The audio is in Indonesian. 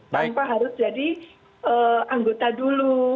lalu pak harus jadi anggota dulu